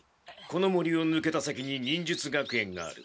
この森をぬけた先に忍術学園がある。